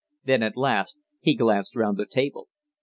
Then at last he glanced round the table.